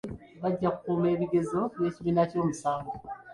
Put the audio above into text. Omugatte gw'abakuumi kikumi bajja kukuuma ebigezo by'ekibiina ky'ekyomusanvu.